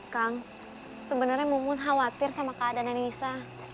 kang sebenarnya mumun khawatir sama keadaannya nisa